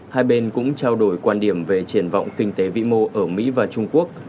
hai bên cũng trao đổi quan điểm về triển vọng kinh tế vĩ mô ở mỹ và trung quốc